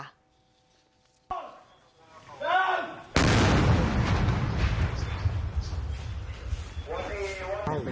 เดิน